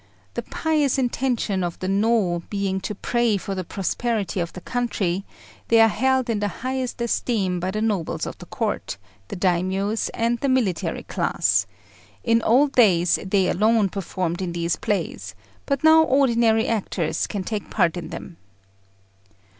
The pious intention of the Nô being to pray for the prosperity of the country, they are held in the highest esteem by the nobles of the Court, the Daimios, and the military class: in old days they alone performed in these plays, but now ordinary actors take part in them.